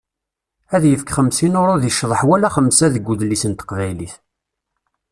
Ad yefk xemsin uṛu deg ccḍeḥ wala xemsa deg udlis n teqbaylit.